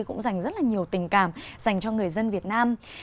cũng dành rất là nhiều tình cảm dành cho người dân việt nam